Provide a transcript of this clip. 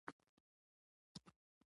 متحده ایالات - د نوي کال رخصتي